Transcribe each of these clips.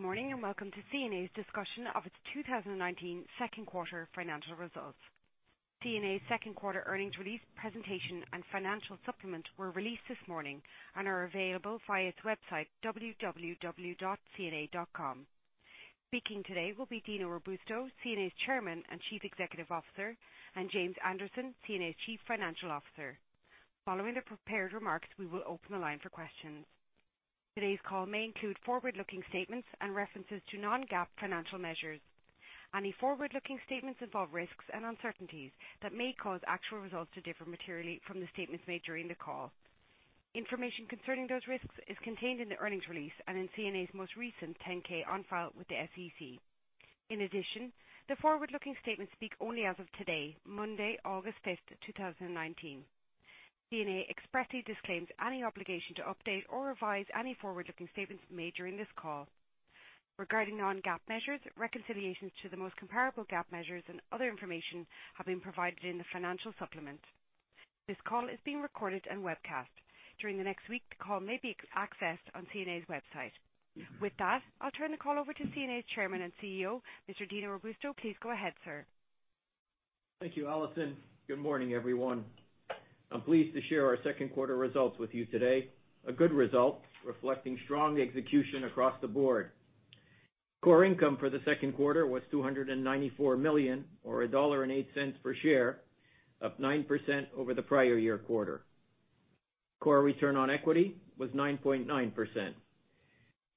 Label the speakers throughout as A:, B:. A: Good morning, welcome to CNA's discussion of its 2019 second quarter financial results. CNA's second quarter earnings release presentation and financial supplement were released this morning and are available via its website, www.cna.com. Speaking today will be Dino Robusto, CNA's Chairman and Chief Executive Officer, and James Anderson, CNA's Chief Financial Officer. Following the prepared remarks, we will open the line for questions. Today's call may include forward-looking statements and references to non-GAAP financial measures. Any forward-looking statements involve risks and uncertainties that may cause actual results to differ materially from the statements made during the call. Information concerning those risks is contained in the earnings release and in CNA's most recent 10-K on file with the SEC. The forward-looking statements speak only as of today, Monday, August 5th, 2019. CNA expressly disclaims any obligation to update or revise any forward-looking statements made during this call. Regarding non-GAAP measures, reconciliations to the most comparable GAAP measures and other information have been provided in the financial supplement. This call is being recorded and webcast. During the next week, the call may be accessed on CNA's website. With that, I'll turn the call over to CNA's Chairman and CEO, Mr. Dino Robusto. Please go ahead, sir.
B: Thank you, Allison. Good morning, everyone. I'm pleased to share our second quarter results with you today, a good result reflecting strong execution across the board. Core income for the second quarter was $294 million, or $1.08 per share, up 9% over the prior year quarter. Core return on equity was 9.9%.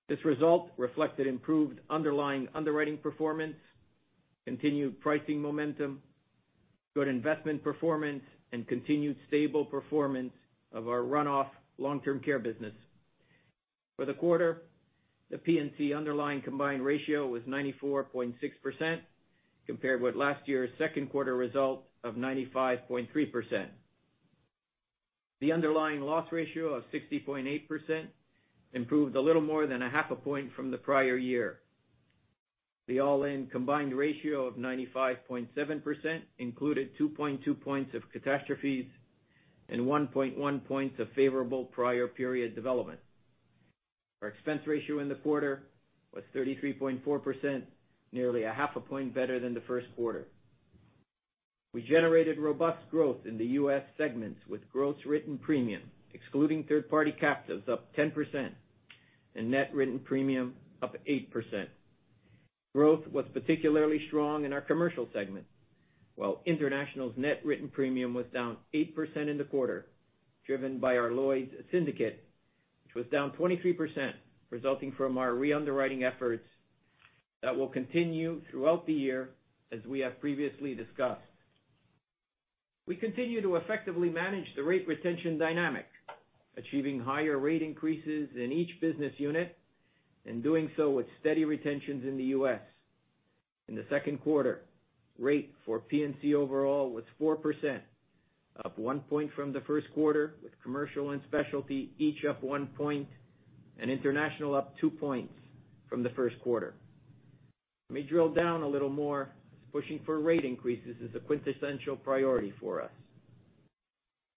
B: This result reflected improved underlying underwriting performance, continued pricing momentum, good investment performance, and continued stable performance of our runoff long-term care business. For the quarter, the P&C underlying combined ratio was 94.6%, compared with last year's second quarter result of 95.3%. The underlying loss ratio of 60.8% improved a little more than a half a point from the prior year. The all-in combined ratio of 95.7% included 2.2 points of catastrophes and 1.1 points of favorable prior period development. Our expense ratio in the quarter was 33.4%, nearly a half a point better than the first quarter. We generated robust growth in the U.S. segments with gross written premium, excluding third-party captives, up 10% and net written premium up 8%. Growth was particularly strong in our commercial segment, while international's net written premium was down 8% in the quarter, driven by our Lloyd's Syndicate, which was down 23%, resulting from our re-underwriting efforts that will continue throughout the year, as we have previously discussed. We continue to effectively manage the rate retention dynamic, achieving higher rate increases in each business unit and doing so with steady retentions in the U.S. In the second quarter, rate for P&C overall was 4%, up one point from the first quarter, with commercial and specialty each up one point and international up two points from the first quarter. Let me drill down a little more, pushing for rate increases is a quintessential priority for us.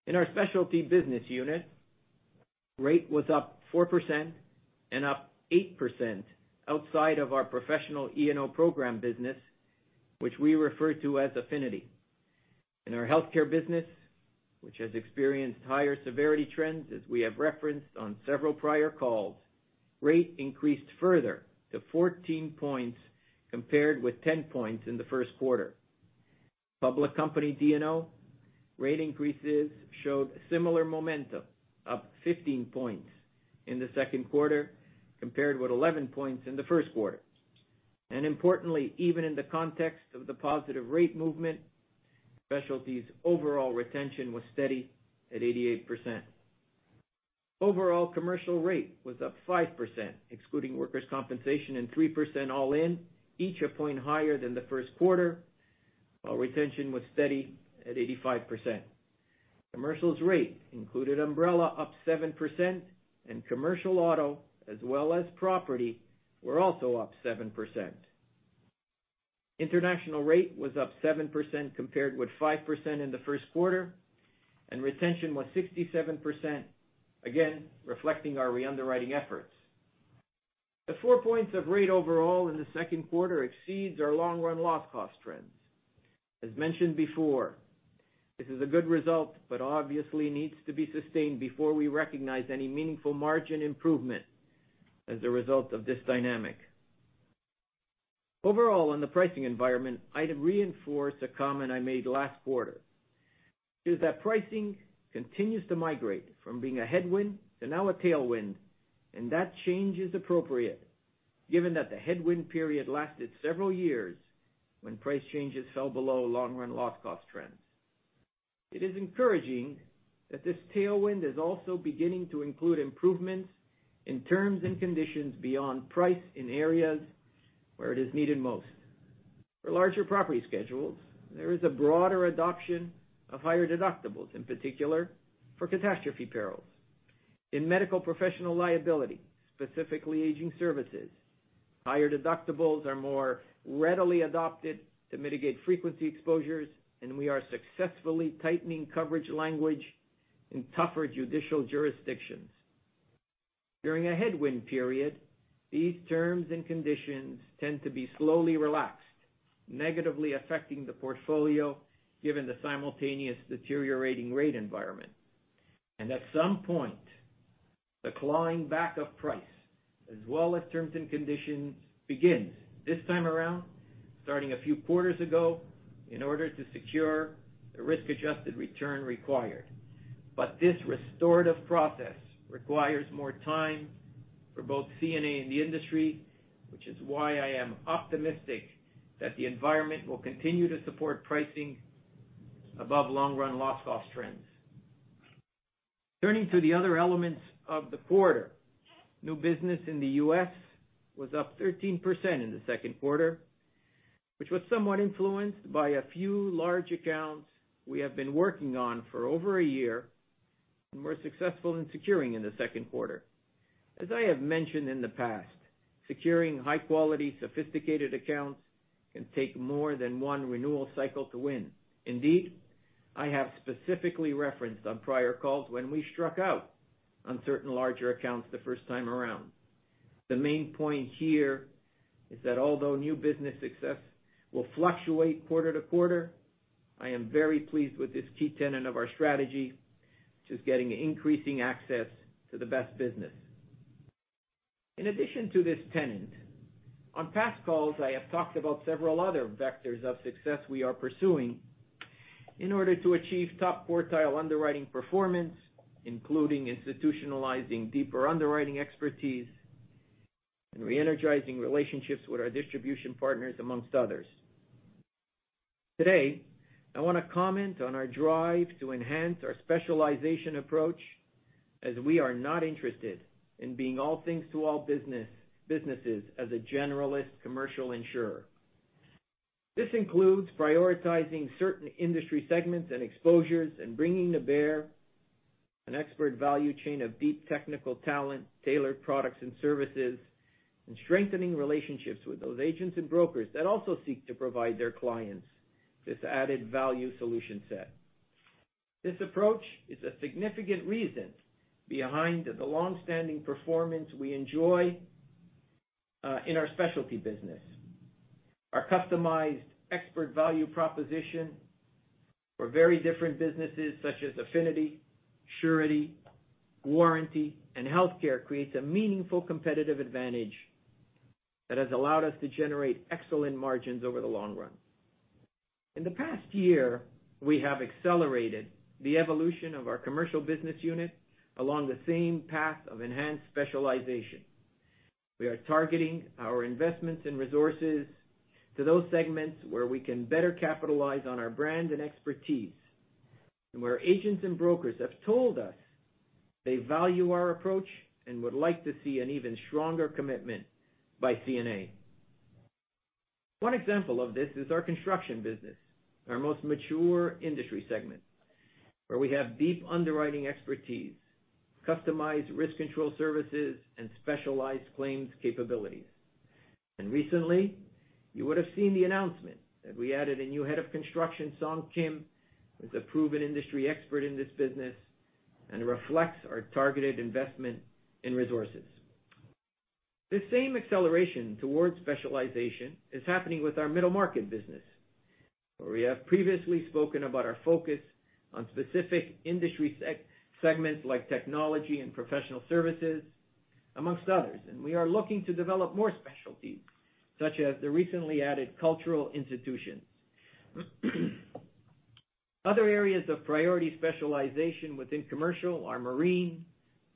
B: In our specialty business unit, rate was up 4% and up 8% outside of our professional E&O program business, which we refer to as affinity. In our healthcare business, which has experienced higher severity trends, as we have referenced on several prior calls, rate increased further to 14 points compared with 10 points in the first quarter. Public company D&O rate increases showed similar momentum, up 15 points in the second quarter compared with 11 points in the first quarter. Importantly, even in the context of the positive rate movement, specialty's overall retention was steady at 88%. Overall commercial rate was up 5%, excluding workers' compensation, and 3% all in, each a point higher than the first quarter, while retention was steady at 85%. Commercial's rate included umbrella up 7%, and commercial auto as well as property were also up 7%. International rate was up 7% compared with 5% in the first quarter. Retention was 67%, again, reflecting our re-underwriting efforts. The four points of rate overall in the second quarter exceeds our long-run loss cost trends. As mentioned before, this is a good result. Obviously needs to be sustained before we recognize any meaningful margin improvement as a result of this dynamic. Overall, in the pricing environment, I'd reinforce a comment I made last quarter, is that pricing continues to migrate from being a headwind to now a tailwind. That change is appropriate given that the headwind period lasted several years when price changes fell below long-run loss cost trends. It is encouraging that this tailwind is also beginning to include improvements in terms and conditions beyond price in areas where it is needed most. For larger property schedules, there is a broader adoption of higher deductibles, in particular for catastrophe perils. In medical professional liability, specifically aging services, higher deductibles are more readily adopted to mitigate frequency exposures, and we are successfully tightening coverage language in tougher judicial jurisdictions. During a headwind period, these terms and conditions tend to be slowly relaxed, negatively affecting the portfolio, given the simultaneous deteriorating rate environment. At some point, the clawing back of price, as well as terms and conditions, begins, this time around, starting a few quarters ago, in order to secure the risk-adjusted return required. This restorative process requires more time for both CNA and the industry, which is why I am optimistic that the environment will continue to support pricing above long-run loss cost trends. Turning to the other elements of the quarter, new business in the U.S. was up 13% in the second quarter, which was somewhat influenced by a few large accounts we have been working on for over a year and were successful in securing in the second quarter. As I have mentioned in the past, securing high-quality, sophisticated accounts can take more than one renewal cycle to win. I have specifically referenced on prior calls when we struck out on certain larger accounts the first time around. The main point here is that although new business success will fluctuate quarter to quarter, I am very pleased with this key tenet of our strategy, which is getting increasing access to the best business. In addition to this tenet, on past calls, I have talked about several other vectors of success we are pursuing in order to achieve top-quartile underwriting performance, including institutionalizing deeper underwriting expertise and reenergizing relationships with our distribution partners, amongst others. Today, I want to comment on our drive to enhance our specialization approach, as we are not interested in being all things to all businesses as a generalist commercial insurer. This includes prioritizing certain industry segments and exposures, and bringing to bear an expert value chain of deep technical talent, tailored products and services, and strengthening relationships with those agents and brokers that also seek to provide their clients this added value solution set. This approach is a significant reason behind the longstanding performance we enjoy in our specialty business. Our customized expert value proposition for very different businesses such as affinity, surety, warranty, and healthcare creates a meaningful competitive advantage that has allowed us to generate excellent margins over the long run. In the past year, we have accelerated the evolution of our commercial business unit along the same path of enhanced specialization. We are targeting our investments and resources to those segments where we can better capitalize on our brand and expertise, and where agents and brokers have told us they value our approach and would like to see an even stronger commitment by CNA. One example of this is our construction business, our most mature industry segment, where we have deep underwriting expertise, customized risk control services, and specialized claims capabilities. Recently, you would've seen the announcement that we added a new head of Construction, Song Kim, who's a proven industry expert in this business and reflects our targeted investment in resources. This same acceleration towards specialization is happening with our middle market business, where we have previously spoken about our focus on specific industry segments like technology and professional services, amongst others. We are looking to develop more specialties, such as the recently added cultural institutions. Other areas of priority specialization within commercial are marine,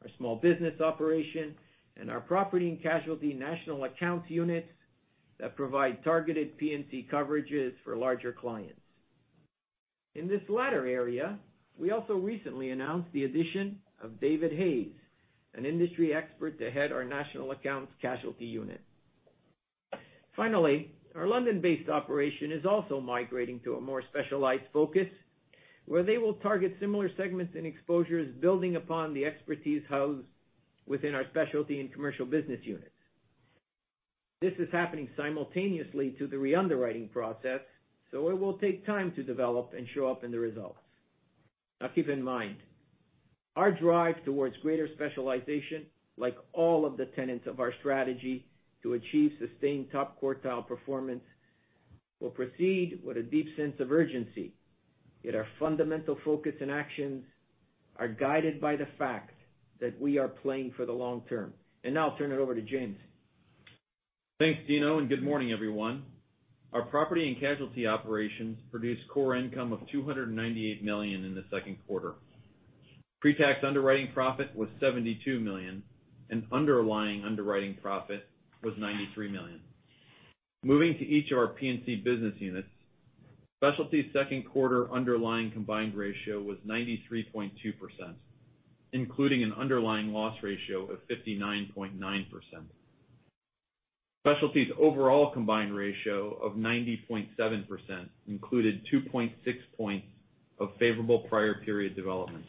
B: our small business operation, and our Property and Casualty National Accounts units that provide targeted P&C coverages for larger clients. In this latter area, we also recently announced the addition of David Hayes, an industry expert to head our National Accounts Casualty unit. Finally, our London-based operation is also migrating to a more specialized focus where they will target similar segments and exposures, building upon the expertise housed within our specialty and commercial business units. This is happening simultaneously to the re-underwriting process, so it will take time to develop and show up in the results. Now, keep in mind, our drive towards greater specialization, like all of the tenets of our strategy to achieve sustained top-quartile performance, will proceed with a deep sense of urgency, yet our fundamental focus and actions are guided by the fact that we are playing for the long term. Now I'll turn it over to James.
C: Thanks, Dino. Good morning, everyone. Our property and casualty operations produced core income of $298 million in the second quarter. Pre-tax underwriting profit was $72 million, and underlying underwriting profit was $93 million. Moving to each of our P&C business units, Specialty's second quarter underlying combined ratio was 93.2%, including an underlying loss ratio of 59.9%. Specialty's overall combined ratio of 90.7% included 2.6 points of favorable prior period developments.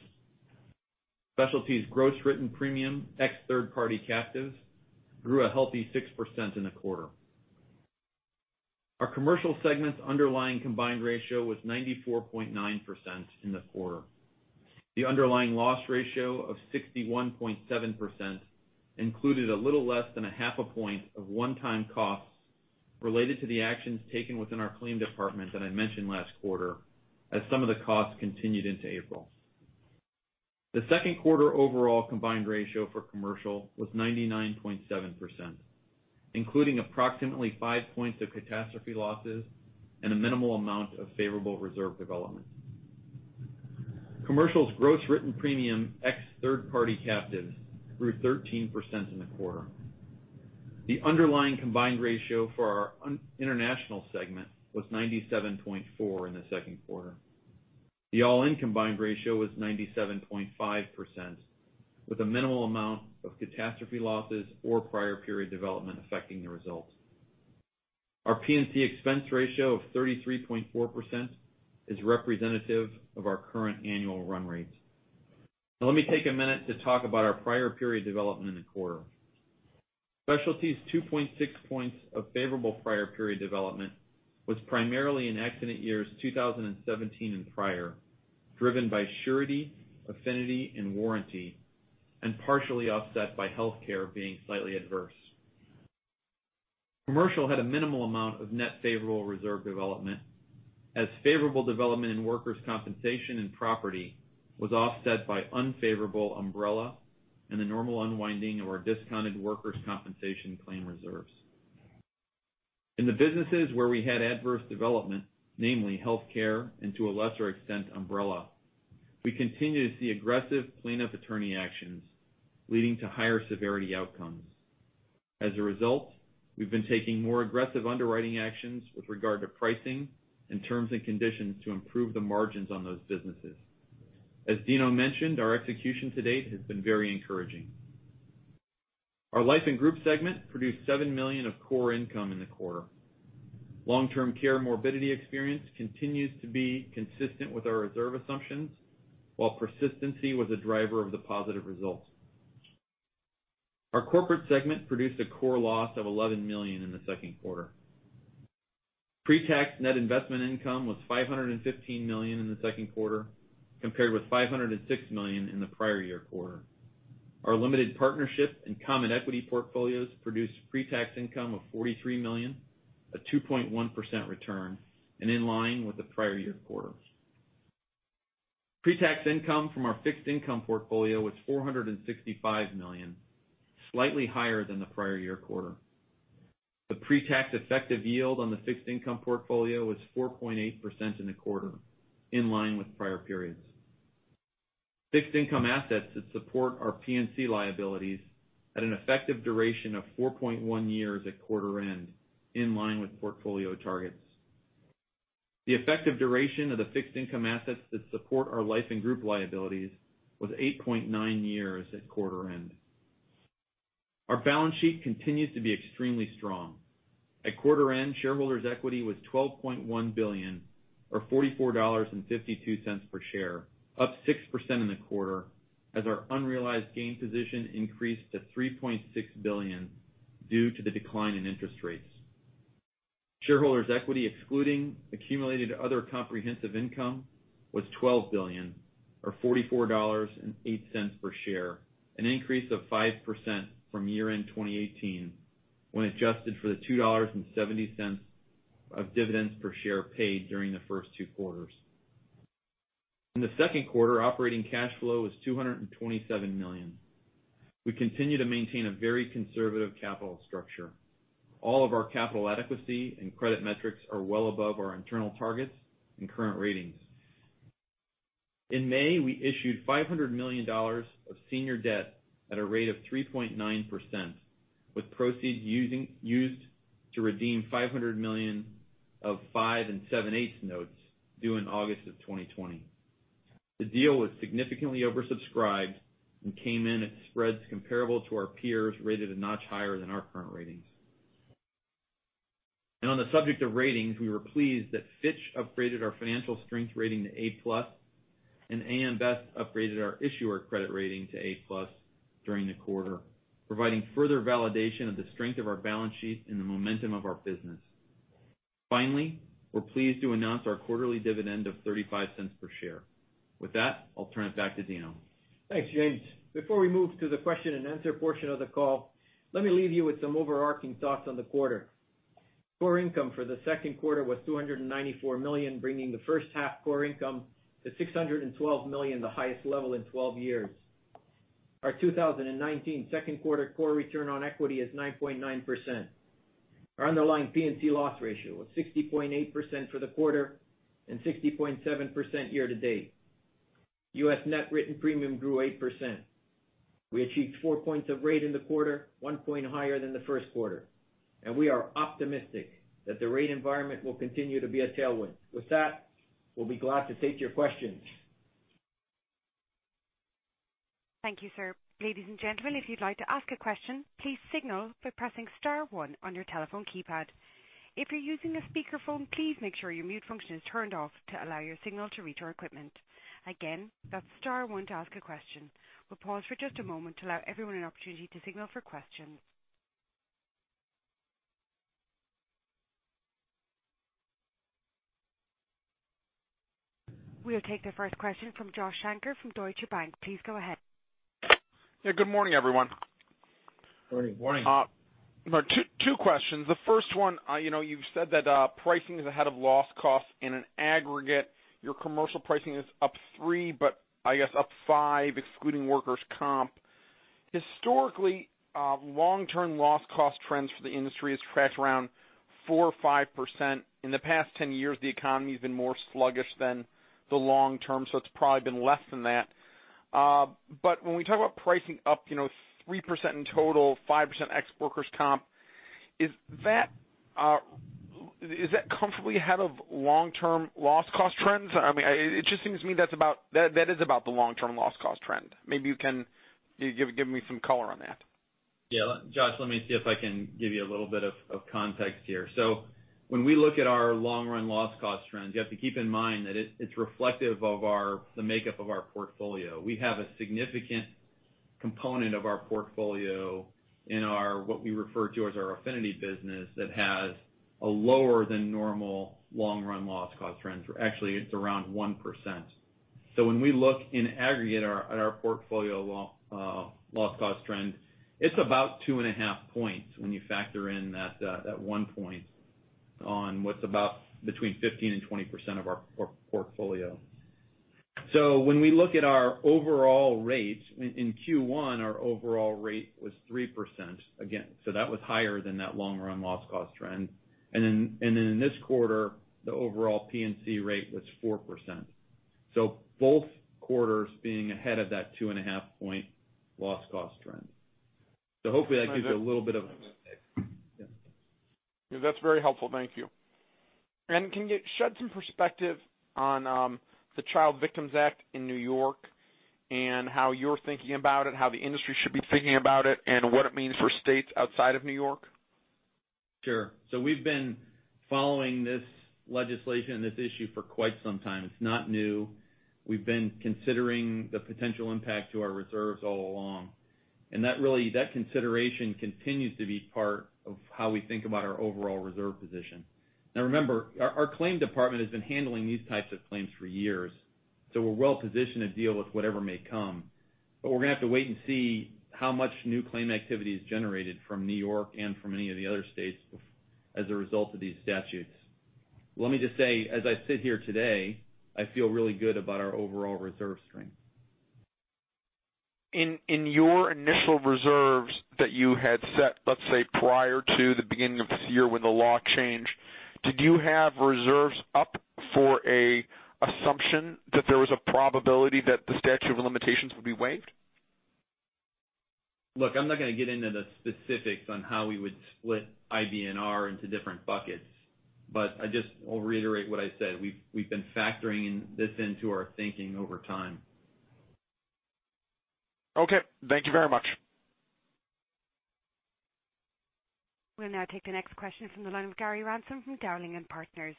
C: Specialty's gross written premium ex third-party captive grew a healthy 6% in the quarter. Our Commercial Segment's underlying combined ratio was 94.9% in the quarter. The underlying loss ratio of 61.7% included a little less than a half a point of one-time costs related to the actions taken within our claim department that I mentioned last quarter, as some of the costs continued into April. The second quarter overall combined ratio for Commercial was 99.7%, including approximately five points of catastrophe losses and a minimal amount of favorable reserve development. Commercial's gross written premium, ex third-party captives, grew 13% in the quarter. The underlying combined ratio for our International Segment was 97.4% in the second quarter. The all-in combined ratio was 97.5%, with a minimal amount of catastrophe losses or prior period development affecting the results. Our P&C expense ratio of 33.4% is representative of our current annual run rates. Now let me take a minute to talk about our prior period development in the quarter. Specialty's 2.6 points of favorable prior period development was primarily in accident years 2017 and prior, driven by surety, affinity, and warranty, and partially offset by healthcare being slightly adverse. Commercial had a minimal amount of net favorable reserve development, as favorable development in workers' compensation and property was offset by unfavorable umbrella and the normal unwinding of our discounted workers' compensation claim reserves. In the businesses where we had adverse development, namely healthcare and to a lesser extent, umbrella, we continue to see aggressive plaintiff attorney actions leading to higher severity outcomes. As a result, we've been taking more aggressive underwriting actions with regard to pricing and terms and conditions to improve the margins on those businesses. As Dino mentioned, our execution to date has been very encouraging. Our Life and Group Segment produced $7 million of core income in the quarter. Long-term care morbidity experience continues to be consistent with our reserve assumptions, while persistency was a driver of the positive results. Our Corporate Segment produced a core loss of $11 million in the second quarter. Pre-tax net investment income was $515 million in the second quarter, compared with $506 million in the prior year quarter. Our limited partnership and common equity portfolios produced pre-tax income of $43 million, a 2.1% return, and in line with the prior year quarter. Pre-tax income from our fixed income portfolio was $465 million, slightly higher than the prior year quarter. The pre-tax effective yield on the fixed income portfolio was 4.8% in the quarter, in line with prior periods. Fixed income assets that support our P&C liabilities at an effective duration of 4.1 years at quarter end, in line with portfolio targets. The effective duration of the fixed income assets that support our life and group liabilities was 8.9 years at quarter end. Our balance sheet continues to be extremely strong. At quarter end, shareholders' equity was $12.1 billion, or $44.52 per share, up 6% in the quarter as our unrealized gain position increased to $3.6 billion due to the decline in interest rates. Shareholders' equity excluding accumulated other comprehensive income was $12 billion, or $44.08 per share, an increase of 5% from year-end 2018 when adjusted for the $2.70 of dividends per share paid during the first two quarters. In the second quarter, operating cash flow was $227 million. We continue to maintain a very conservative capital structure. All of our capital adequacy and credit metrics are well above our internal targets and current ratings. In May, we issued $500 million of senior debt at a rate of 3.9%, with proceeds used to redeem $500 million of five and seven-eighths notes due in August of 2020. The deal was significantly oversubscribed and came in at spreads comparable to our peers, rated a notch higher than our current ratings. On the subject of ratings, we were pleased that Fitch upgraded our financial strength rating to A+ and AM Best upgraded our issuer credit rating to A+ during the quarter, providing further validation of the strength of our balance sheet and the momentum of our business. Finally, we're pleased to announce our quarterly dividend of $0.35 per share. With that, I'll turn it back to Dino.
B: Thanks, James. Before we move to the question and answer portion of the call, let me leave you with some overarching thoughts on the quarter. Core income for the second quarter was $294 million, bringing the first half core income to $612 million, the highest level in 12 years. Our 2019 second quarter core return on equity is 9.9%. Our underlying P&C loss ratio was 60.8% for the quarter and 60.7% year-to-date. U.S. net written premium grew 8%. We achieved four points of rate in the quarter, one point higher than the first quarter, and we are optimistic that the rate environment will continue to be a tailwind. With that, we'll be glad to take your questions.
A: Thank you, sir. Ladies and gentlemen, if you'd like to ask a question, please signal by pressing star one on your telephone keypad. If you're using a speakerphone, please make sure your mute function is turned off to allow your signal to reach our equipment. Again, that's star one to ask a question. We'll pause for just a moment to allow everyone an opportunity to signal for questions. We'll take the first question from Joshua Shanker from Deutsche Bank. Please go ahead.
D: Yeah, good morning, everyone.
C: Morning.
B: Morning.
D: Two questions. The first one, you've said that pricing is ahead of loss costs in an aggregate. Your commercial pricing is up 3%, I guess up 5%, excluding workers' comp. Historically, long-run loss cost trends for the industry has tracked around 4% or 5%. In the past 10 years, the economy's been more sluggish than the long term, it's probably been less than that. When we talk about pricing up 3% in total, 5% ex workers' comp, is that comfortably ahead of long-run loss cost trends? It just seems to me that is about the long-run loss cost trend. Maybe you can give me some color on that.
C: Yeah. Josh, let me see if I can give you a little bit of context here. When we look at our long-run loss cost trends, you have to keep in mind that it's reflective of the makeup of our portfolio. We have a significant component of our portfolio in what we refer to as our affinity business that has a lower than normal long-run loss cost trends. Actually, it's around 1%. When we look in aggregate at our portfolio loss cost trend, it's about 2.5 points when you factor in that 1 point on what's about between 15%-20% of our portfolio. When we look at our overall rates in Q1, our overall rate was 3% again. That was higher than that long-run loss cost trend. In this quarter, the overall P&C rate was 4%. Both quarters being ahead of that two-and-a-half point loss cost trend. Hopefully that gives you a little bit of Yeah.
D: That's very helpful. Thank you. Can you shed some perspective on the Child Victims Act in New York and how you're thinking about it, how the industry should be thinking about it, and what it means for states outside of New York?
C: Sure. We've been following this legislation, this issue for quite some time. It's not new. We've been considering the potential impact to our reserves all along, and that consideration continues to be part of how we think about our overall reserve position. Now remember, our claim department has been handling these types of claims for years, so we're well-positioned to deal with whatever may come. We're going to have to wait and see how much new claim activity is generated from New York and from any of the other states as a result of these statutes. Let me just say, as I sit here today, I feel really good about our overall reserve strength.
D: In your initial reserves that you had set, let's say, prior to the beginning of this year when the law changed, did you have reserves up for a assumption that there was a probability that the statute of limitations would be waived?
C: Look, I'm not going to get into the specifics on how we would split IBNR into different buckets, but I just will reiterate what I said. We've been factoring this into our thinking over time.
D: Okay. Thank you very much.
A: We'll now take the next question from the line of Gary Ransom from Dowling & Partners.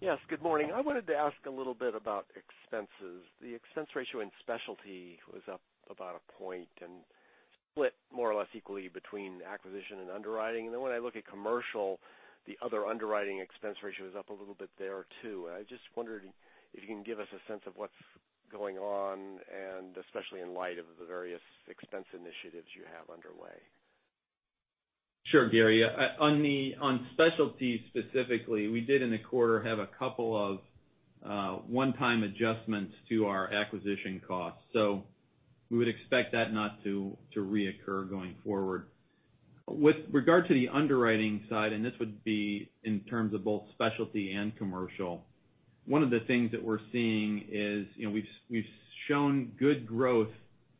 E: Yes, good morning. I wanted to ask a little bit about expenses. The expense ratio in Specialty was up about a point and split more or less equally between acquisition and underwriting. When I look at Commercial, the other underwriting expense ratio is up a little bit there, too. I just wondered if you can give us a sense of what's going on, especially in light of the various expense initiatives you have underway.
C: Sure, Gary. On specialty specifically, we did in the quarter have a couple of one-time adjustments to our acquisition costs. We would expect that not to reoccur going forward. With regard to the underwriting side, and this would be in terms of both specialty and commercial, one of the things that we're seeing is we've shown good growth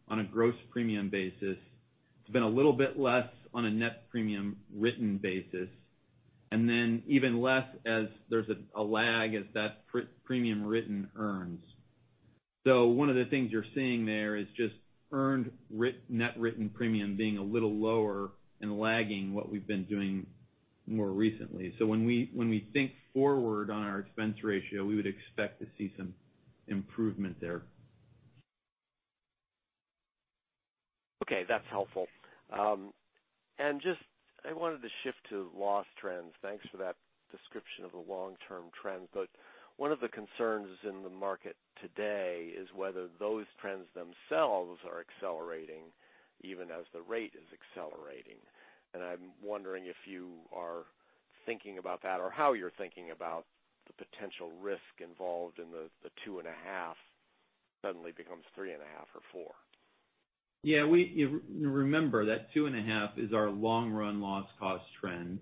C: on a gross premium basis. It's been a little bit less on a net premium written basis, and then even less as there's a lag as that premium written earns. One of the things you're seeing there is just earned net written premium being a little lower and lagging what we've been doing more recently. When we think forward on our expense ratio, we would expect to see some improvement there.
E: Okay. That's helpful. I wanted to shift to loss trends. Thanks for that description of the long-term trends, but one of the concerns in the market today is whether those trends themselves are accelerating even as the rate is accelerating. I'm wondering if you are thinking about that or how you're thinking about the potential risk involved in the two and a half suddenly becomes three and a half or four.
C: Yeah. Remember that two and a half is our long-run loss cost trend.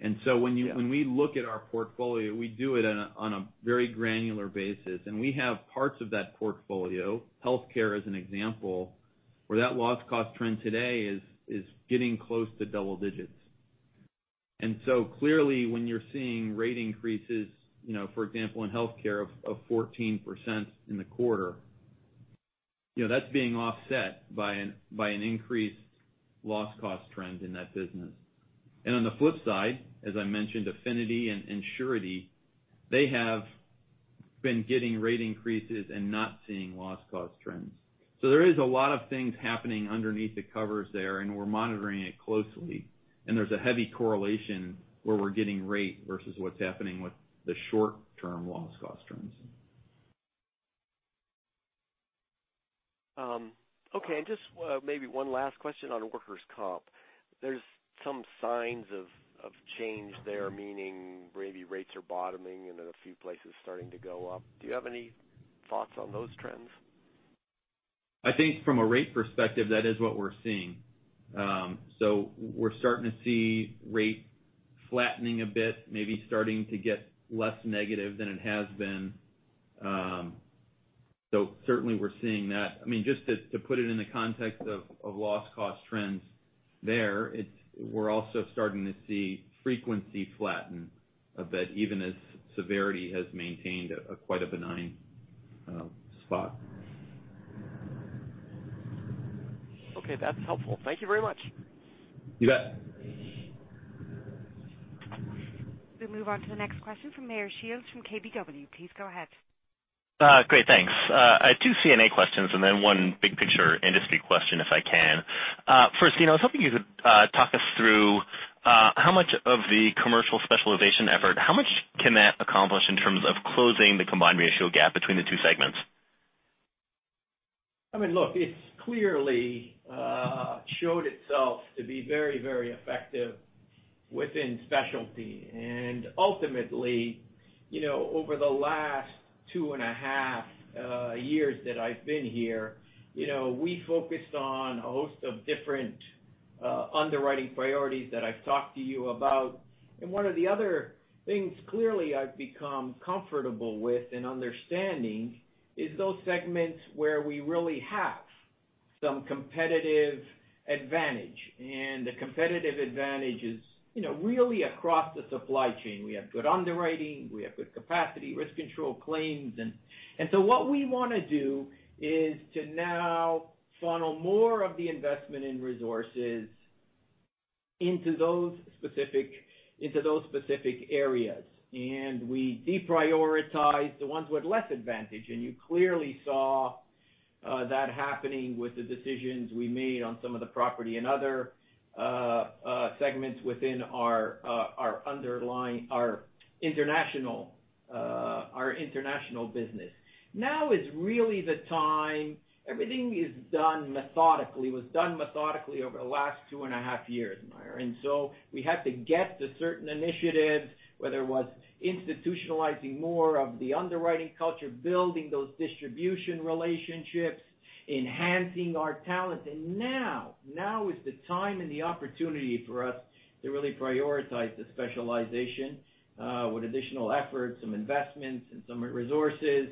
E: Yeah.
C: When we look at our portfolio, we do it on a very granular basis, and we have parts of that portfolio, healthcare as an example, where that loss cost trend today is getting close to double digits. Clearly, when you're seeing rate increases, for example, in healthcare of 14% in the quarter, that's being offset by an increased loss cost trend in that business. On the flip side, as I mentioned, affinity and surety, they have been getting rate increases and not seeing loss cost trends. There is a lot of things happening underneath the covers there, and we're monitoring it closely. There's a heavy correlation where we're getting rate versus what's happening with the short-term loss cost trends.
E: Okay, just maybe one last question on workers' comp. There's some signs of change there, meaning maybe rates are bottoming and in a few places starting to go up. Do you have any thoughts on those trends?
C: I think from a rate perspective, that is what we're seeing. We're starting to see rate flattening a bit, maybe starting to get less negative than it has been. Certainly, we're seeing that. Just to put it in the context of loss cost trends there, we're also starting to see frequency flatten a bit, even as severity has maintained quite a benign spot.
E: Okay, that's helpful. Thank you very much.
C: You bet.
A: We'll move on to the next question from Meyer Shields from KBW. Please go ahead.
F: Great, thanks. I have two CNA questions and then one big-picture industry question, if I can. First, I was hoping you could talk us through, how much of the commercial specialization effort, how much can that accomplish in terms of closing the combined ratio gap between the two segments?
B: Look, it's clearly showed itself to be very effective within specialty. Ultimately, over the last two and a half years that I've been here, we focused on a host of different underwriting priorities that I've talked to you about. One of the other things, clearly, I've become comfortable with in understanding is those segments where we really have some competitive advantage. The competitive advantage is really across the supply chain. We have good underwriting, we have good capacity, risk control claims, what we want to do is to now funnel more of the investment in resources into those specific areas. We deprioritize the ones with less advantage. You clearly saw that happening with the decisions we made on some of the property and other segments within our international business. Now is really the time. Everything is done methodically, was done methodically over the last two and a half years, Meyer. We had to get to certain initiatives, whether it was institutionalizing more of the underwriting culture, building those distribution relationships, enhancing our talent. Now is the time and the opportunity for us to really prioritize the specialization, with additional effort, some investments, and some resources.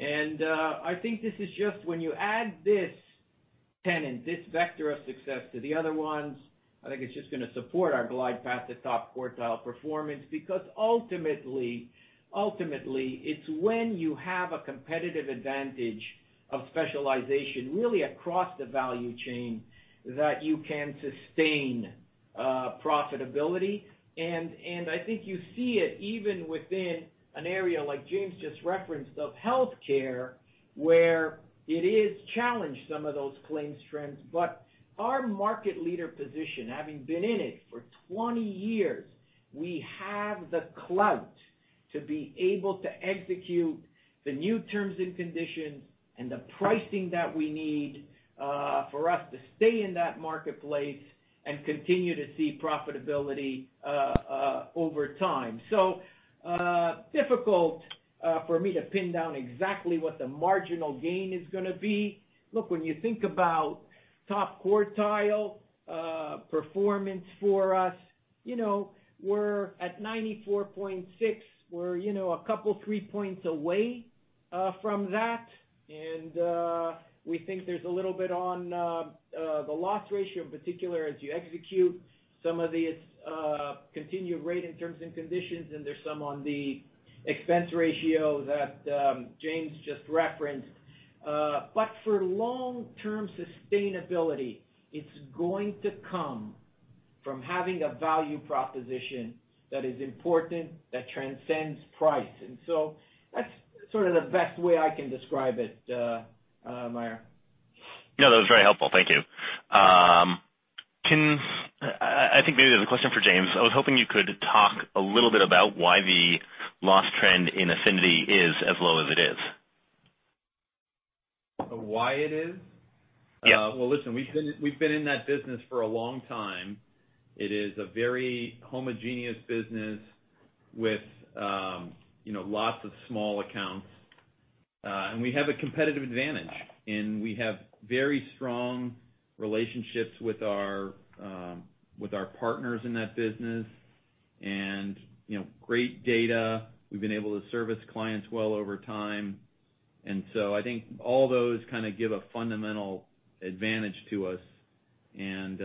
B: I think this is just when you add this tenet, this vector of success to the other ones, I think it's just going to support our glide path to top quartile performance because ultimately, it's when you have a competitive advantage of specialization really across the value chain that you can sustain profitability. I think you see it even within an area like James just referenced of healthcare, where it is challenged some of those claims trends, but our market leader position, having been in it for 20 years, we have the clout to be able to execute the new terms and conditions and the pricing that we need for us to stay in that marketplace and continue to see profitability over time. Difficult for me to pin down exactly what the marginal gain is going to be. Look, when you think about top quartile performance for us, we're at 94.6. We're a couple, three points away from that. We think there's a little bit on the loss ratio in particular as you execute some of these continued rate and terms and conditions, and there's some on the expense ratio that James just referenced. For long-term sustainability, it's going to come from having a value proposition that is important, that transcends price. That's sort of the best way I can describe it, Mayer.
F: No, that was very helpful. Thank you. I think maybe this is a question for James. I was hoping you could talk a little bit about why the loss trend in affinity is as low as it is.
C: Why it is?
F: Yeah.
C: Well, listen, we've been in that business for a long time. It is a very homogeneous business with lots of small accounts. We have a competitive advantage, and we have very strong relationships with our partners in that business and great data. We've been able to service clients well over time. I think all those kind of give a fundamental advantage to us, and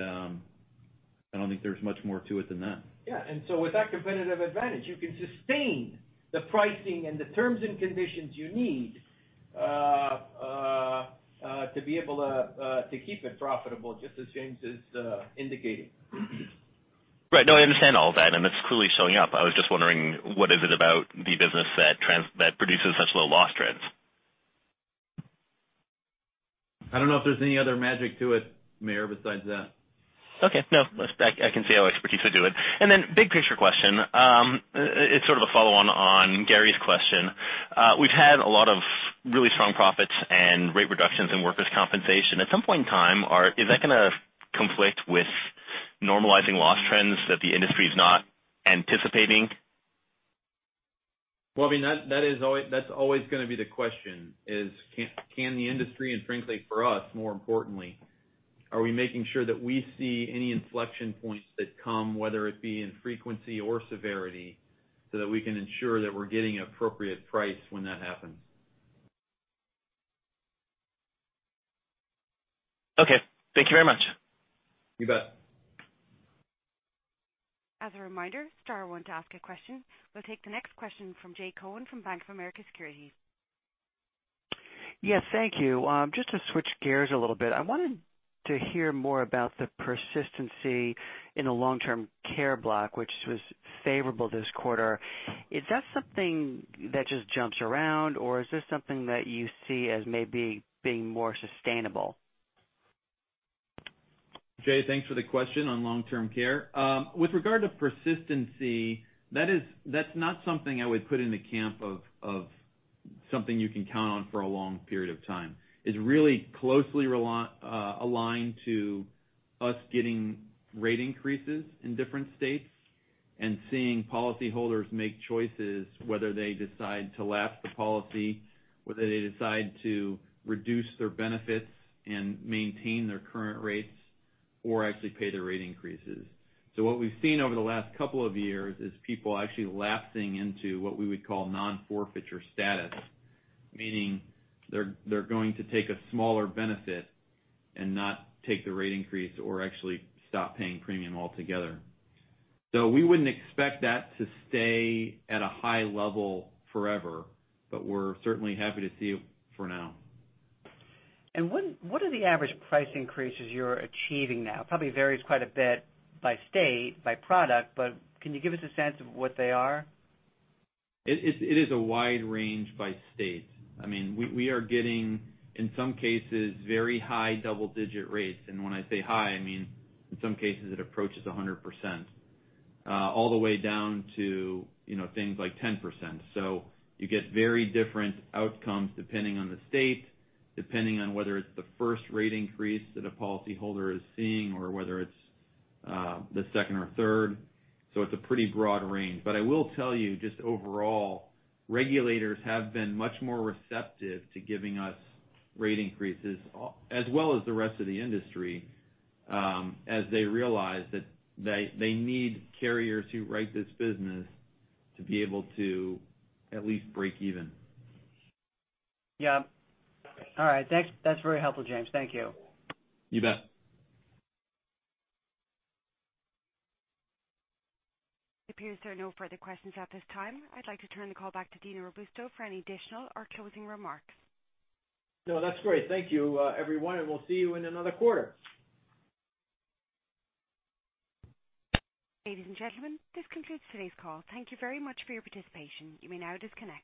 C: I don't think there's much more to it than that.
B: Yeah. With that competitive advantage, you can sustain the pricing and the terms and conditions you need.
C: To be able to keep it profitable, just as James is indicating.
F: Right. No, I understand all that, and it's clearly showing up. I was just wondering, what is it about the business that produces such low loss trends?
C: I don't know if there's any other magic to it, Meyer, besides that.
F: Okay. No, I can see how expertise would do it. Big picture question. It's sort of a follow-on on Gary's question. We've had a lot of really strong profits and rate reductions in workers' compensation. At some point in time, is that going to conflict with normalizing loss trends that the industry's not anticipating?
C: That's always going to be the question, is can the industry, and frankly, for us, more importantly, are we making sure that we see any inflection points that come, whether it be in frequency or severity, so that we can ensure that we're getting appropriate price when that happens.
F: Okay. Thank you very much.
C: You bet.
A: As a reminder, star one to ask a question. We'll take the next question from Jay Cohen from Bank of America Securities.
G: Yes, thank you. Just to switch gears a little bit, I wanted to hear more about the persistency in the long-term care block, which was favorable this quarter. Is that something that just jumps around, or is this something that you see as maybe being more sustainable?
C: Jay, thanks for the question on long-term care. With regard to persistency, that's not something I would put in the camp of something you can count on for a long period of time. It's really closely aligned to us getting rate increases in different states and seeing policyholders make choices whether they decide to lapse the policy, whether they decide to reduce their benefits and maintain their current rates, or actually pay the rate increases. What we've seen over the last couple of years is people actually lapsing into what we would call non-forfeiture status, meaning they're going to take a smaller benefit and not take the rate increase or actually stop paying premium altogether. We wouldn't expect that to stay at a high level forever, but we're certainly happy to see it for now.
G: What are the average price increases you're achieving now? Probably varies quite a bit by state, by product, but can you give us a sense of what they are?
C: It is a wide range by state. We are getting, in some cases, very high double-digit rates. When I say high, I mean, in some cases, it approaches 100%, all the way down to things like 10%. You get very different outcomes depending on the state, depending on whether it's the first rate increase that a policyholder is seeing or whether it's the second or third. It's a pretty broad range. I will tell you, just overall, regulators have been much more receptive to giving us rate increases, as well as the rest of the industry, as they realize that they need carriers who write this business to be able to at least break even.
G: Yeah. All right. That's very helpful, James. Thank you.
C: You bet.
A: It appears there are no further questions at this time. I'd like to turn the call back to Dino Robusto for any additional or closing remarks.
B: No, that's great. Thank you, everyone, and we'll see you in another quarter.
A: Ladies and gentlemen, this concludes today's call. Thank you very much for your participation. You may now disconnect.